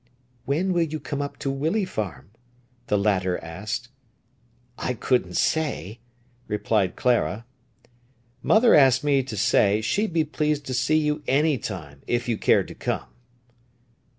"When will you come up to Willey Farm?" the latter asked. "I couldn't say," replied Clara. "Mother asked me to say she'd be pleased to see you any time, if you cared to come."